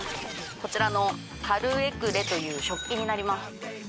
こちらのカル：エクレという食器になります。